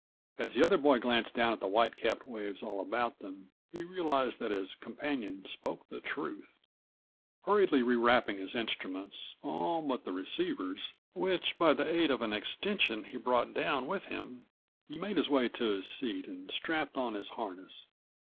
As the other boy glanced down at the white capped waves all about them he realized that his companion spoke the truth. Hurriedly rewrapping his instruments, all but the receivers, which by the aid of an extension he brought down with him, he made his way to his seat and strapped on his harness.